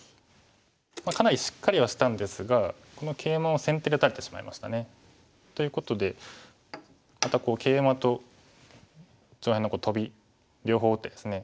かなりしっかりはしたんですがこのケイマを先手で打たれてしまいましたね。ということでまたケイマと上辺のトビ両方打ってですね